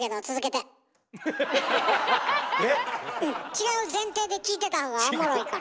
違う前提で聞いてたほうがおもろいから。